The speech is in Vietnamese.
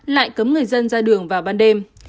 lại cấm người dân ra đường vào ban đêm